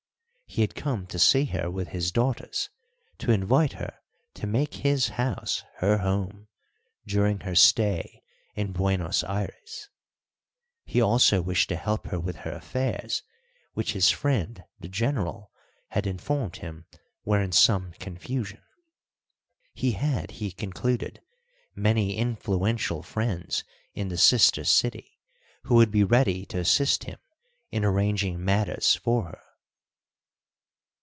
He had come to see her with his daughters to invite her to make his house her home during her stay in Buenos Ayres. He also wished to help her with her affairs, which, his friend the General had informed him, were in some confusion. He had, he concluded, many influential friends in the sister city, who would be ready to assist him in arranging matters for her.